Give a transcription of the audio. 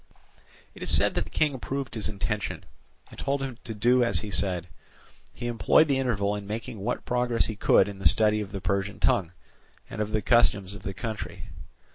It is said that the King approved his intention, and told him to do as he said. He employed the interval in making what progress he could in the study of the Persian tongue, and of the customs of the country.